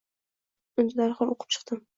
Uni darhol o’qib chiqdim